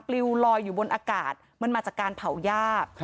ลิวลอยอยู่บนอากาศมันมาจากการเผาหญ้า